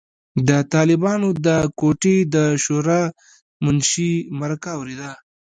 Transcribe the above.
د طالبانو د کوټې د شورای د منشي مرکه اورېده.